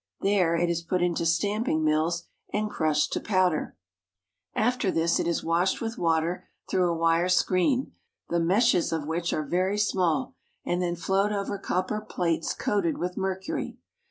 There, it is put into stamping mills and crushed to powder. THE GOLD MINES OF SOUTH AFRICA 309 After this it is washed with water through a wire screen, the meshes of which are very small, and then flowed over copper plates coated with mercury.